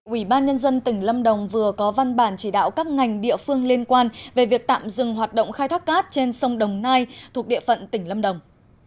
ủy ban nhân dân tỉnh lâm đồng vừa có văn bản chỉ đạo các ngành địa phương liên quan về việc tạm dừng hoạt động khai thác cát trên sông đồng nai thuộc địa phận tỉnh lâm đồng